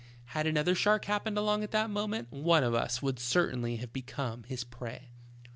Had another shark happened along at that moment, one of us would certainly have become his prey.